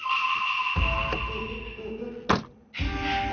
ヘムヘム。